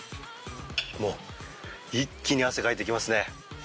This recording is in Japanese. もう一気に汗をかいてきますね。